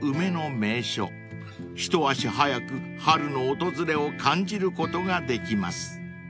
［一足早く春の訪れを感じることができます］